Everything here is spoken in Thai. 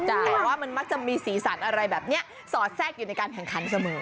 แต่ว่ามันมักจะมีสีสันอะไรแบบนี้สอดแทรกอยู่ในการแข่งขันเสมอ